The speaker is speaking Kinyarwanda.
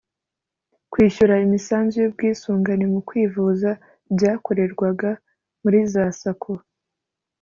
Kwishyura imisanzu y’ubwisungane mu kwivuza byakorerwaga muri za Sacco